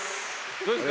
どうですか？